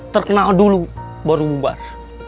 terkenal dulu baru bubar